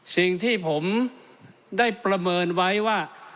สิ่งที่ผมได้ประเมินไว้ว่า